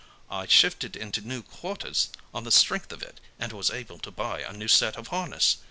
I shifted into new quarters on the strength of it, and was able to buy a new set of harness.